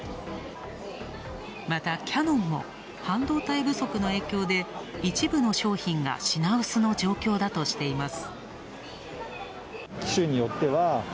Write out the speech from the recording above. またキヤノンも、半導体不足の影響で一部の商品が品薄の状況だとしています。